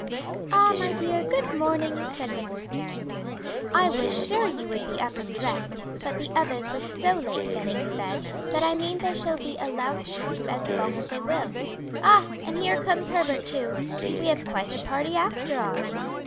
"Ah, my dear, good morning," said Mrs. Carrington; "I was sure you would be up and dressed: but the others were so late getting to bed that I mean they shall be allowed to sleep as long as they will. Ah! and here comes Herbert, too. We have quite a party after all."